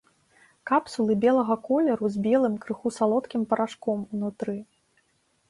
Капсулы белага колеру з белым, крыху салодкім парашком унутры.